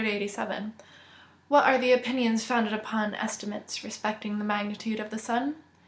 _What are the opinions founded upon estimates respecting the magnitude of the sun?